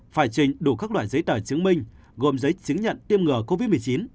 phải trình đủ các loại giấy tờ chứng minh gồm giấy chứng nhận tiêm ngừa covid một mươi chín